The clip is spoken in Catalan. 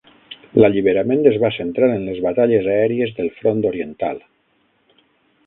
L'alliberament es va centrar en les batalles aèries del Front Oriental.